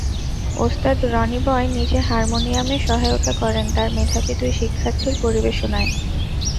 ওস্তাদ রনি রয় নিজে হারমোনিয়ামে সহায়তা করেন তাঁর মেধাবী দুই শিক্ষার্থীর পরিবেশনায়।